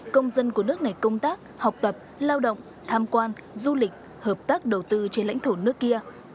công dân của nước này công tác học tập lao động tham quan du lịch hợp tác đầu tư trên lãnh thổ nước kia